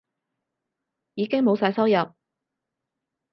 已經冇晒收入